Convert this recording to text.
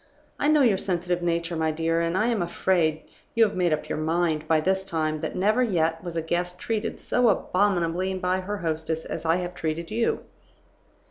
I know your sensitive nature, my dear, and I am afraid you have made up your mind by this time that never yet was a guest treated so abominably by her hostess as I have treated you.